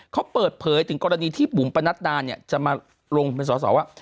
เขาเปิดเผยถึงกรณีที่บุ๋มปนัดดาเนี่ยจะมาลงเป็นสอสอว่า